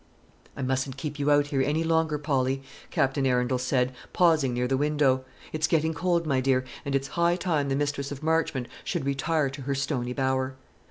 "I mustn't keep you out here any longer, Polly," Captain Arundel said, pausing near the window. "It's getting cold, my dear, and it's high time the mistress of Marchmont should retire to her stony bower.